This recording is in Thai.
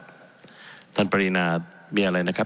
ผมจะขออนุญาตให้ท่านอาจารย์วิทยุซึ่งรู้เรื่องกฎหมายดีเป็นผู้ชี้แจงนะครับ